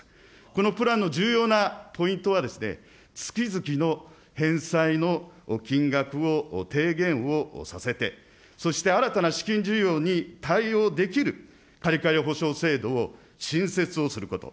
このプランの重要なポイントは、月々の返済の金額を低減をさせて、そして新たな資金需要に対応できる借換保障制度を新設をすること。